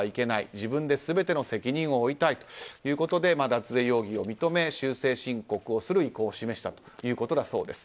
自分で全ての責任を負いたいということで脱税容疑を認め修正申告をする意向を示したということだそうです。